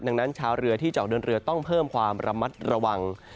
ดังนั้นชาวเรือที่จะออกเดินเรือต้องเพิ่มความระมัดระวัง